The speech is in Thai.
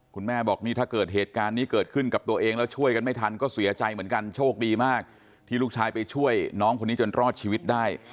คุณแม่บอกนี่ถ้าเกิดเหตุการณ์นี้เกิดขึ้นกับตัวเองแล้วช่วยกันไม่ทันก็เสียใจเหมือนกันโชคดีมากที่ลูกชายไปช่วยน้องคนนี้จนรอดชีวิตได้